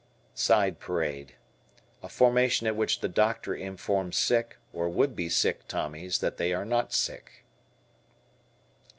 Side Parade. A formation at which the doctor informs sick, or would be sick Tommies that they are not sick.